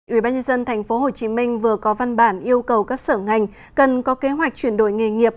ủy ban nhân dân tp hcm vừa có văn bản yêu cầu các sở ngành cần có kế hoạch chuyển đổi nghề nghiệp